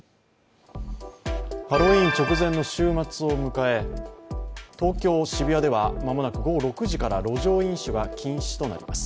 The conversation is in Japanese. ハロウィーン直前の週末を迎え、東京・渋谷では間もなく午後６時から路上飲酒が禁止となります。